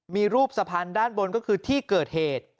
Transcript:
มีรูปสะพานด้านบนก็คือที่เกิดเหตุ